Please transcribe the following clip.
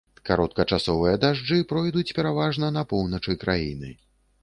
Кароткачасовыя дажджы пройдуць пераважна на поўначы краіны.